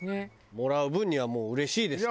もらう分にはもううれしいですから。